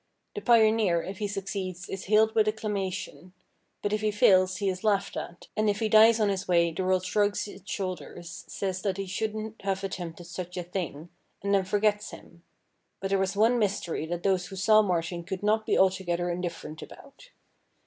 The pioneer, if he succeeds, is hailed with acclamation ; but if he fails he is laughed at, and if he dies on his way the world shrugs its shoulders, says that he shouldn't have attempted such a thing, and then forgets him. But there was one mystery that those who saw Martin could not be altogether indifferent about.